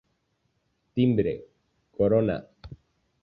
Timbre, corona.